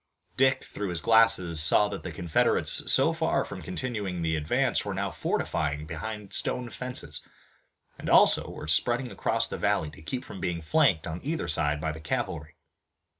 Dick, through his glasses, saw that the Confederates so far from continuing the advance were now fortifying behind stone fences and also were spreading across the valley to keep from being flanked on either side by the cavalry.